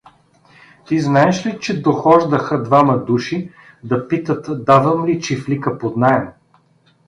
Ти знаеш ли, че дохождаха двама души да питат давам ли чифлика под наем.